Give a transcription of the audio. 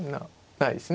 ないですね。